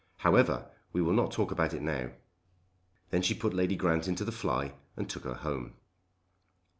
However we will not talk about it now." Then she put Lady Grant into the fly and took her home.